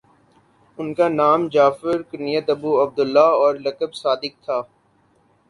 ان کا نام جعفر کنیت ابو عبد اللہ اور لقب صادق تھا